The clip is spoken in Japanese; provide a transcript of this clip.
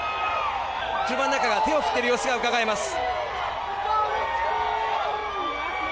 車の中から手を振っている様子がうかがえます。